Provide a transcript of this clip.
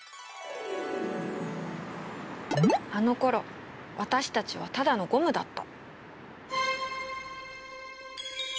あのころ私たちはただのゴムだった。